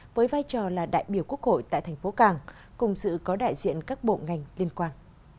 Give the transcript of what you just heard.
với vai trò là đại biểu quốc hội tại thành phố càng cùng sự có đại diện các bộ ngành liên quan